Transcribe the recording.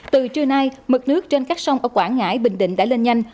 từ trưa nay mực nước trên các sông ở quảng ngãi bình định đã lên nhanh